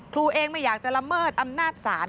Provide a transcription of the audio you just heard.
ครูเองไม่อยากจะละเมิดอำนาจศาล